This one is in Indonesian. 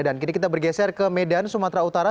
dan kini kita bergeser ke medan sumatera utara